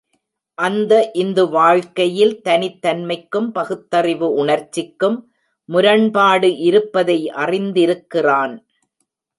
அந்த இந்து வாழ்க்கையில் தனித் தன்மைக்கும் பகுத்தறிவு உணர்ச்சிக்கும் முரண்பாடு இருப்பதை அறிந்திருக்கிறான்.